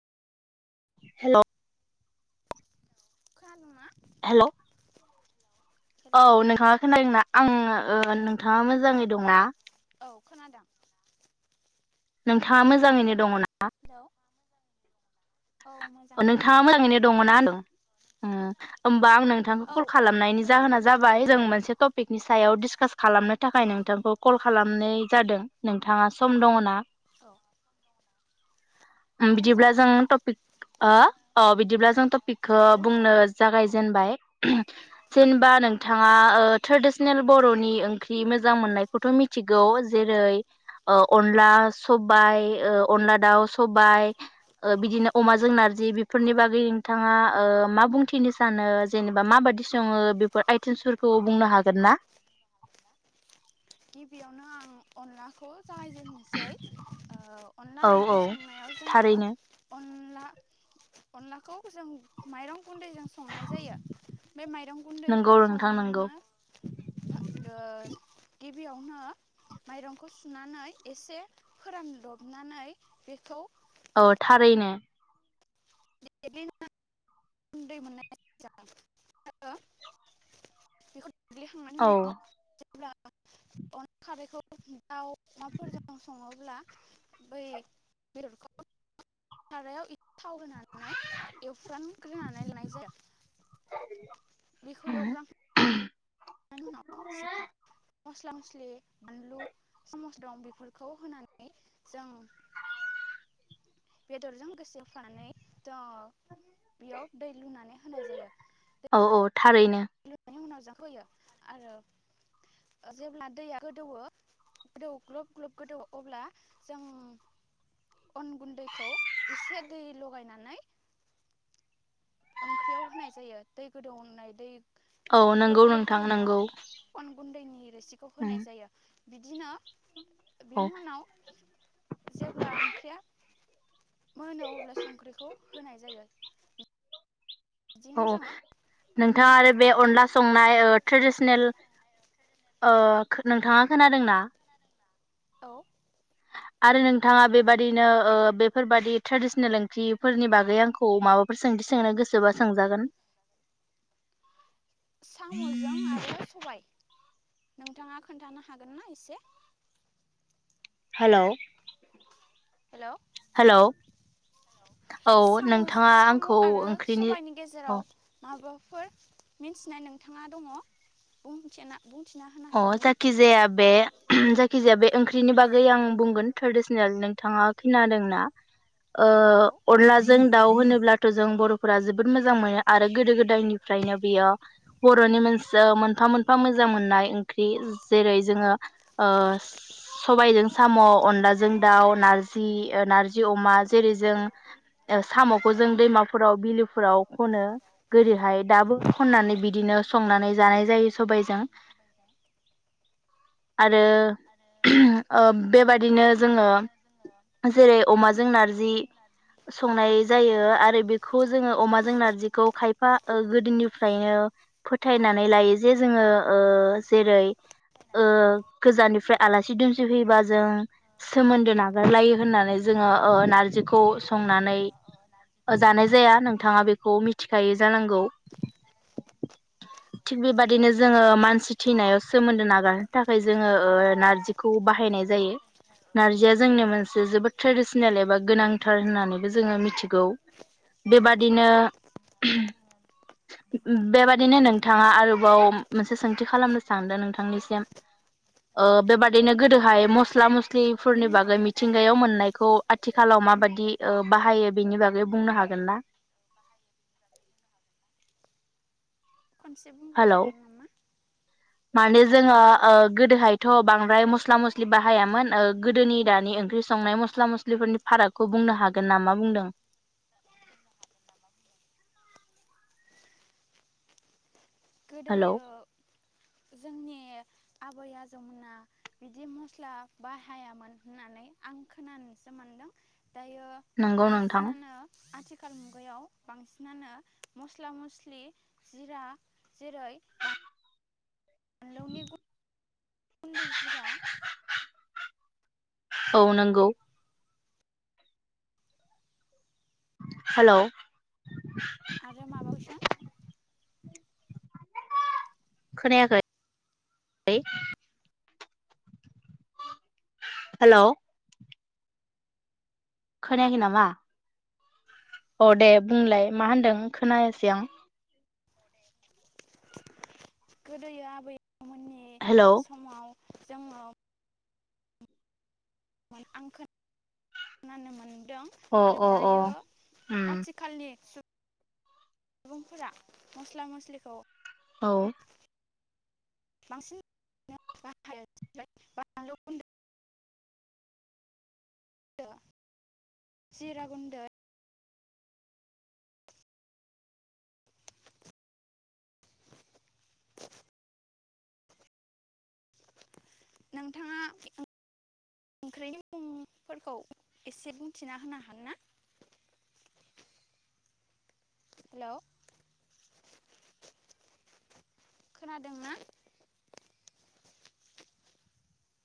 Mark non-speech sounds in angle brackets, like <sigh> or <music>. Hello खोनादों ना hello औ हेलौ नोंथाङा खोनादोंना आं नोंथाङा मोजाङै दंना औ खोनादों नोंथाङा मोजाङैनो दङ नामा हेलौ औ मोजाङैनो नोंथाङा दं मोजाङैनो दङना होनदों ओम बा आं नोंथांखौ औ कल औ खालामनायनि दं जाहोना जाबाय जों मोनसे टप पिकनि सायाव डिसकास खालामनो थाखाय नोंथांखौ कल खालामनाय जादों नोंथाङा सम दङ ना औ बिदिब्ला बुंजागोन जों टपिक ओ अ बिदिब्ला जों टपिकखौ बुंनो बुंजागोन जागायजेनबाय जेनेबा नोंथाङा ओ ट्रेडिसनेल बर'नि ओंख्रि मोजां मोननायखौथ' मिथिगौ जेरै औ अनला सब बाय ओ अनला दाउ स सबाय ओ बिदिनो अमाजों नारजि बेफोरनि बागै नोंथाङा मा बुंथिनो सानो जेनेबा माबायदि सङो बेफोर आइटेमसफोरखौ बुंनो हागोन ना? गिबियावनो आं अनला खौ जागायजेनोसै ओ अनला औ औ ओंख्रि संनायाव जोङो अन थारैनो अनला अनलाखौ जों माइरं गुन्दैजों संनाय जायो बे माइरं नंगौ गुन्दैखौ नोंथां नंगौ संनो ओ गिबियावनो माइरंखौ सुनानै एसे फोरानदबनानै बेखौ औ थारैनो <unintelligible> उन्दै मोननाय <unintelligible> बेखौ देग्लि खांनायनि औ उनाव अब्ला अन खारैखौ दाउ अमाफोरजों सङोब्ला बै <unintelligible> सारायाव थाव होनानै एवफ्रानग्रोनानै लानाय जायो बेखौ एवफ्रां <unintelligible> म बानलु सस दं बेफोरखौ होनानै जों बेदरजों गोसो फानै बेयाव दै लुनानै होनाय जायो। औ औ थारैनो लुनायनि उनाव जाखोयो आरो जेब्ला दैया गोदौओ गोदौ ग्ल ग्ल गोदौ अब्ला जों अन गुन्दैखौ एसे दै लगायनानै ओंख्रियाव होनाय जायो दै गोदौनाय दै औ नंगौ ग्लब ग्लब नोंथां नंगौ गोदौनायाव अन गुन्दैनि रोसिखौ उम होनाय जायो। बिदिनो औ बेनि उनाव जेब्ला ओंख्रिया मोनो अब्ला संख्रिखौ होनाय जायो। औ बिदिनो औ जोङो ओंख्रि नोंथाङा महर आरो बे मोननाय जायो अनला संनाय ओ ट्रेडिसनेल ओ नोंथाङा खोनादोंना? औ आरो नोंथाङा बेबदिनो बेफोरबायदि ट्रेडिसनेल ओंख्रिफोरनि बागै आंखौ माबाफोर सोंथि सोंनो गोसोबा सोंजागोन साम'जों आरो सबाय नोंथाङा खोन्थानो हागोन ना एसे हेलौ हेलौ औ साम नोंथाङा साम आंखौ आरो ओंख्रिनि सबायाइनि अ गेजेराव मा बेफोर मिथिनाय नोंथाङा दङ बुंथिना बुंथिना होनो अ हागोन ना जाखिजाया बे जायखिजाया बे ओंख्रिनि बागै आं बुंगोन ट्रेडिसनेल नोंथाङा खोनादोंना औ ओ अनलाजों दाउ होनो अब्लाथ' जों बर'फोरा जोबोद मोजां मोनो आरो गोदो गोदायनिफ्रायनो बियो बर'नि मोनस मोनफा मोनफा मोजां मोननाय ख्रि जेरै जोङो ओ सबायजों स' अनलाजों दाउ नारजि नारजि अमा जेरै जों सामखौ जों दैमा फोराव बिलोफोराव खनो गोदोहाय दाबो खननानै बिदिनो संनानै जानाय जायो सबाइजों आरो बेबादिनो जोङो जेरै अमाजों नारजि संनाय जायो आरो बेखौ जोङो अमाजों नारजिखौ खायफा ओ गोदोनिफ्रायनो फोथायनानै लायो जे जोङो ओ जेरै ओ गोजाननिफ्राय आलासि दुमसि फैबा जों सोमोन्दो नागारलायो होननानै जोङो ओ नारजिखौ संनानै जानाय जाया। नोंथाङा बेखौ मिथिखायो जानांगौ थिग औ बेबादिनो जोङो मानसि सोमोन्दो नागारनो थाखाय जोङो ओ नारजिखौ बाहायनाय जायो नारजिया जोंनि मोनसे जोबोद ट्रेडिसनेल एबा गोनांथार होननानैबो जोङो मिथिगौ बेबाद दिनो औ बेबादिनो नोंथाङा आरोबाव मोनसे सों खालामनो सानदों नोंथांनिसिम ओ बेबादिनो गोदोहाय मस्ला मस्लिफोरनि बुंनो बागै हायो मिथिंगायाव मोननायखौ आथिखालाव माबादि ओ बाहायो बेनि बागै बुंनो हागोन ना खनसे बुंबावजागोन नामा <unintelligible> मानोे जोङो औ ओ हेलौ गोदोहायथ' बांद्राय मस्ला मस्ला मस्लि बाहायामोन ओ गोदोनि दानि ओंख्रि संनाय मस्ला मस्लिफोरनि फारागखौ बुंनो हागोन नामा बुंदों हेलौ गोदोयो जोंनि आबै आजौना बिदि मस्ला बाहायामोन होननानै आं खोनानोसो मोनदों। दायो नंगौ नोंथां बांसिनानो आथिखाल आथिखाल मुगायाव बांसिनानो मस्ला मस्लि जिरा जेरै मानलनि ग <unintelligible> न्दै जिरा औ नंगौ। हेलौ आरो मा भउसन <unintelligible> खोनायाखै हेलौ खोनायाखै खोनादों नामा अ दे बुंलाय मा होनदों खोनायासै आं गोदोयो आबै हेलौ बिथांमोननि समाव जोङो आं खोननानो मोन दों अ अ दायो उम आथिखालनि सु बुंफोरा मस्ला मस्लिखौ औ बांसिन <unintelligible> <unintelligible> जिरा गुन्दै नोंथाङा ओंख्रिनि मुंफोरखौ एसे बुंथिना होनो हागोन ना हेलौ खोनादों ना